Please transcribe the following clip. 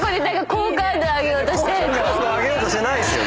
好感度上げようとしてないですよ！